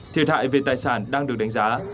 thiệt hại về tài sản đang được đánh giá